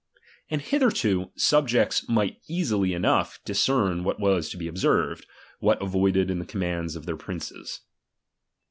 And hitherto, ■'' subjects might easily enough discern what was to be observed, what avoided in the commands of their princes.